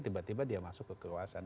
tiba tiba dia masuk kekeluasan